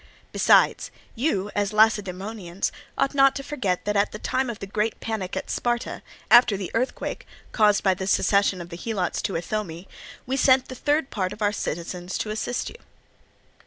Besides, you, as Lacedaemonians, ought not to forget that at the time of the great panic at Sparta, after the earthquake, caused by the secession of the Helots to Ithome, we sent the third part of our citizens to assist you.